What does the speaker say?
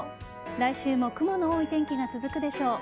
来週も雲の多い天気が続くでしょう。